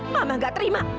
mama gak terima